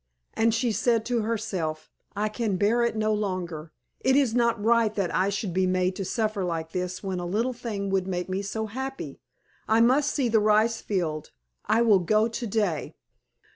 And she said to herself, "I can bear it no longer. It is not right that I should be made to suffer like this when a little thing would make me so happy. I must see the rice field; I will go to day."